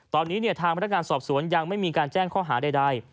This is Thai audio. ตอนนี้ทางพนักงานสอบสวนยังไม่มีการแจ้งข้อหาใด